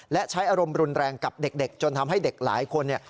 และใช้อารมณ์รุนแรงกับเด็กจนทำให้เด็กหลายคนเนี่ย